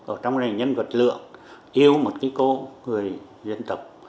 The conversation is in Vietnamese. ở trong này nhân vật lượng yêu một cái cô người dân tộc